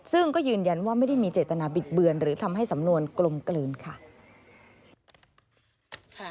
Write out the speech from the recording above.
ซึ่งก็ยืนยันว่าไม่ได้มีเจตนาบิดเบือนหรือทำให้สำนวนกลมกลืนค่ะ